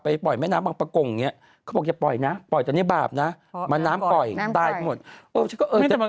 เหมือนกับขจรญีอย่างคุณแม่ค่ะ